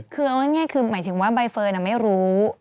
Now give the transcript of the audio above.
คือเอาง่ายคือหมายถึงว่าใบเฟิร์นไม่รู้